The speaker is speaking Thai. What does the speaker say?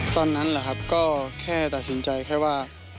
ตอนนั้นแหละครับก็แค่ตัดสินใจแค่ว่า